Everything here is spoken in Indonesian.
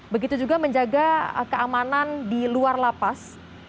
begitu juga menjaga keamanan di luar lapas